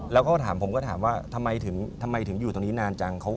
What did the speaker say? แล้วก็ถามผมก็ถามว่าทำไมถึงอยู่ตรงนี้นานจัง